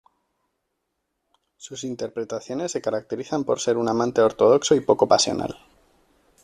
Sus interpretaciones se caracterizan por ser un amante ortodoxo y poco pasional.